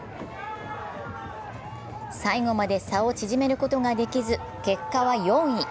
最後まで差を縮めることができず、結果は４位。